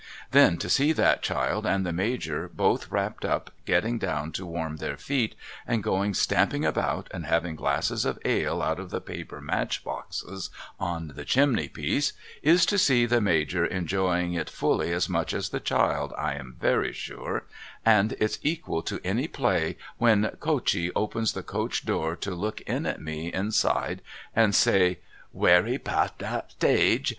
Then to see that child and the Major both wrapped up getting down to Marm their feet and going stamping about and having glasses of ale out of the paper match boxes on the chimney piece is to see the Major enjoying it fully as much as the child I am very sure, and it's equal to any play when Coachee opens the coach door to look in at me inside and say ' Wery 'past that 'tage.